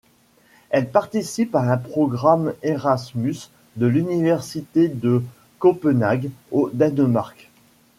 Elle participe à un programme Erasmus à l'Université de Copenhague au Danemark.